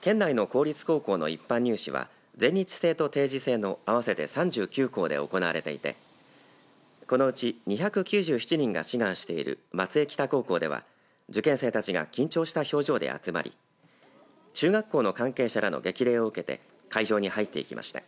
県内の公立高校の一般入試は全日制と定時制の合わせて３９校で行われていてこのうち２９７人が志願している松江北高校では受験生たちが緊張した表情で集まり中学校の関係者らの激励を受けて会場に入っていきました。